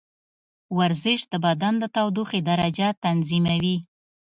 ورزش د بدن د تودوخې درجه تنظیموي.